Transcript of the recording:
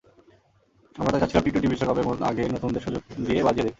আমরা তাই চাচ্ছিলাম টি-টোয়েন্টি বিশ্বকাপের আগে নতুনদের সুযোগ দিয়ে বাজিয়ে দেখতে।